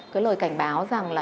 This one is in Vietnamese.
cái lời cảnh báo rằng là